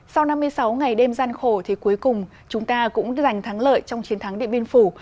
sau năm mươi sáu ngày đêm gian khổ thì cuối cùng chúng ta cũng giành thắng lợi trong chiến thắng điện biên phủ